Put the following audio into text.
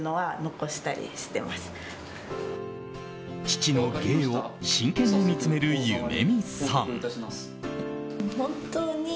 父の芸を真剣に見つめる夢弓さん。